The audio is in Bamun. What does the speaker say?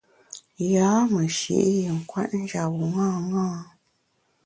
Yâ meshi’ yin kwet njap bu ṅaṅâ.